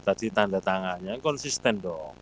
tadi tanda tangannya konsisten dong